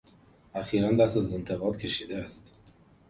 اخیرا دست از انتقاد کشیده است.